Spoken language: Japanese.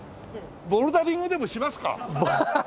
ボルダリングでもしますか。